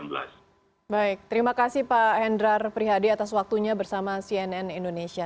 baik terima kasih pak hendrar prihadi atas waktunya bersama cnn indonesia